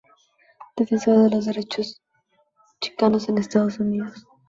Defensora de los derechos de los chicanos en Estados Unidos.